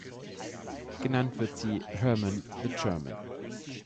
Genannt wird sie "Hermann the German".